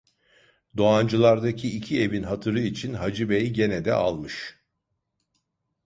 Doğancılardaki iki evin hatırı için Hacı Bey gene de almış.